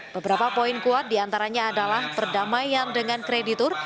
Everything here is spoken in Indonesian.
beberapa poin kuat diantaranya adalah perdamaian dengan kreditur